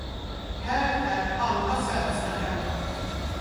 Här är alla svenskar hemma.